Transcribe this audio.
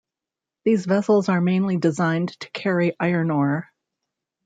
These vessels are mainly designed to carry iron ore.